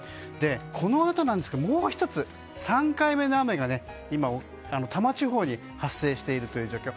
このあとなんですけどもう１つ３回目の雨が今、多摩地方に発生しているという状況。